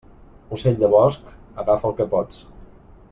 Ocell de bosc, agafa el que pots.